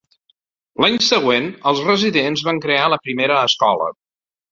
L"any següent, els residents van crear la primera escola.